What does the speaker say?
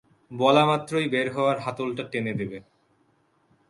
বলা মাত্রই বের হওয়ার হাতলটা টেনে দেবে।